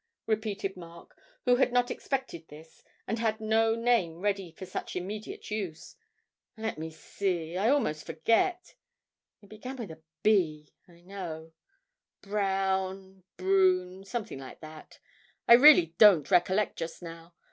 repeated Mark, who had not expected this and had no name ready for such immediate use. 'Let me see; I almost forget. It began with a B I know; Brown Brune something like that I really don't recollect just now.